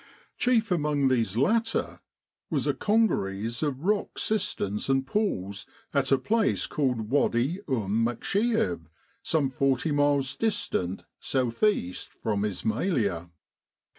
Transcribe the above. Chief among these latter was a congeries of rock cisterns and pools at a place called Wady Urn Muksheib, some forty miles distant south east from Ismailia.